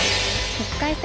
１回戦